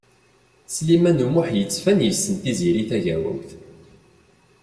Sliman U Muḥ yettban yessen Tiziri Tagawawt.